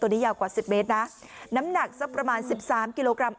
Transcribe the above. ตัวนี้ยาวกว่า๑๐เมตรนะน้ำหนักสักประมาณ๑๓กิโลกรัม